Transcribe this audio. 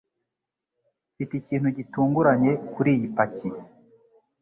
Mfite ikintu gitunguranye kuri iyi paki